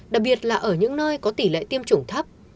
đặc biệt là ở những nơi có tỷ lệ tiêm chủng thấp